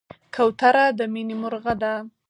کوتره د مینې مرغه ده.